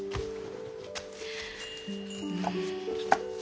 うん。